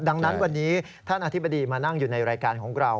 ดังนั้นวันนี้ท่านอธิบดีมานั่งอยู่ในรายการของเรา